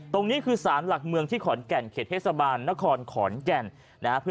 ตรงนี้คือสารหลักเมืองที่ขอนแก่นเขตเทศบาลนครขอนแก่นนะฮะ